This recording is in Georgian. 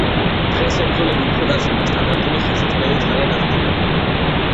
დღეს მებრძოლები უფრო დაცული და სტანდარტული ხელთათმანებით არიან აღჭურვილნი.